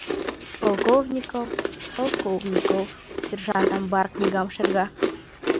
— Полковников, Полковников... — сержант амбар книгам шерга.